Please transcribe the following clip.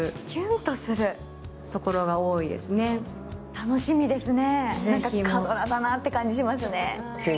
楽しみですね。